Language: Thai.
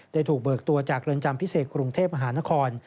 ถูกเบิกตัวจากเรือนจำพิเศษกรุงเทพมหานคร